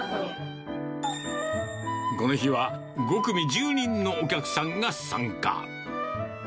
この日は、５組１０人のお客さんが参加。